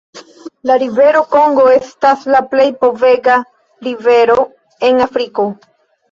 La rivero Kongo estas la plej povega rivero en Afriko.